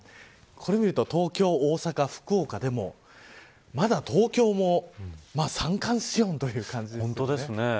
これを見ると東京、大阪福岡でもまだ東京も三寒四温という感じですね。